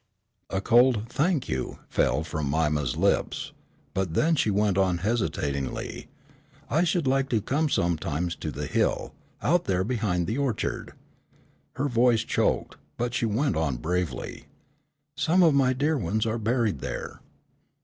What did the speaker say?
A cold "thank you" fell from Mima's lips, but then she went on, hesitatingly, "I should like to come sometimes to the hill, out there behind the orchard." Her voice choked, but she went bravely on, "Some of my dear ones are buried there."